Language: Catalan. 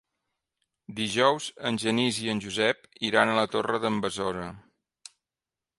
Dijous en Genís i en Josep iran a la Torre d'en Besora.